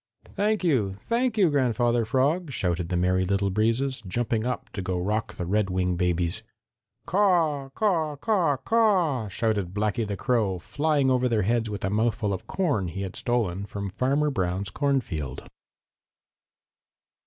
"Thank you! Thank you, Grandfather Frog," shouted the Merry Little Breezes, jumping up to go rock the Redwing babies. "Caw, caw, caw, caw!" shouted Blacky the Crow, flying over their heads with a mouthful of corn he had stolen from Farmer Brown's cornfield.